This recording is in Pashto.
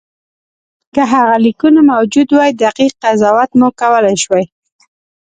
که هغه لیکونه موجود وای دقیق قضاوت مو کولای شوای.